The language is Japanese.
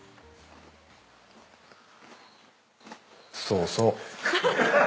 そうそう。